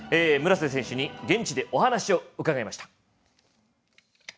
村瀬選手に現地でお話を伺いました。